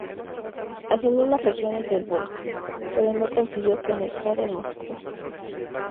Asoló las regiones del Volga, pero no consiguió penetrar en Moscú.